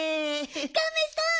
ガメさん